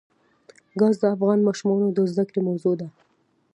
ګاز د افغان ماشومانو د زده کړې موضوع ده.